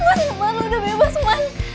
gue seneng banget lo udah bebas man